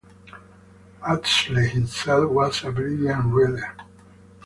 Astley himself was a brilliant rider.